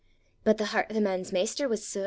"'But the hert o' the man's maister was sair.